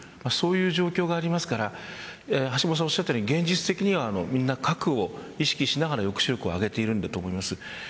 そういう状況がありますから橋下さんがおっしゃるように現実的にはみんな核を意識しながら抑止力を上げているんだと思います。